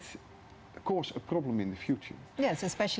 menyebabkan masalah di masa depan